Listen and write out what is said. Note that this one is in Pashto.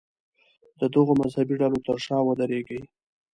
د دغو مذهبي ډلو تر شا ودرېږي.